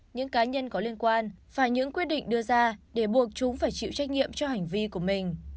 những cá nhân có liên quan phải những quyết định đưa ra để buộc chúng phải chịu trách nhiệm cho hành vi của mình